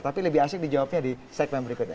tapi lebih asik dijawabnya di segmen berikutnya